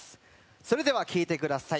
それでは聴いてください。